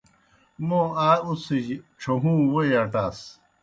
موں آ اُڅِھجیْ ڇھہُوں ووئی اٹاس۔